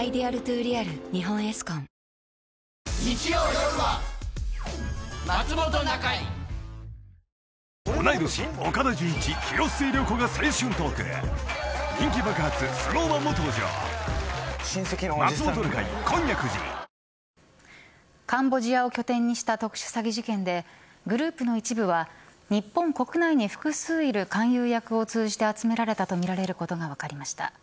猿之助さんの両親の死因はカンボジアを拠点にした特殊詐欺事件でグループの一部は日本国内に複数いる勧誘役を通じて集められたとみられることが分かりました。